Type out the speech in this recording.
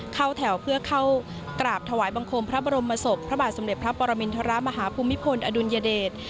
เข้าแถวเพื่อเข้ากราบถวายบังคมพระบรมศพพระบาทสมเด็จพระปรมินทรมาฮภูมิพลอดุลยเดช